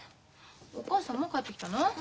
お母さんもう帰ってきたの？